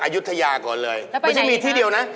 อายุธยาก่อนเลยแล้วไปไหนดีนะไม่ใช่มีที่เดียวนะ